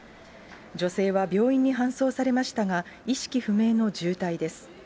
女性は病院に搬送されましたが、意識不明の重体です。